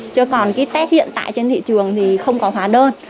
chưa còn kít test hiện tại trên thị trường thì không có hóa đơn